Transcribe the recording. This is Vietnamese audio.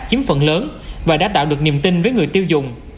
chiếm phần lớn và đã tạo được niềm tin với người tiêu dùng